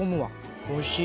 おいしい。